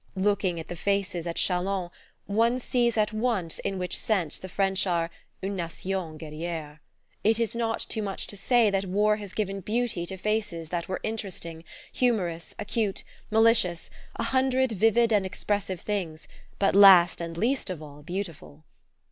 Looking at the faces at Chalons, one sees at once in which [Page 54] sense the French are "une nation guerriere." It is not too much to say that war has given beauty to faces that were interesting, humorous, acute, malicious, a hundred vivid and expressive things, but last and least of all beautiful.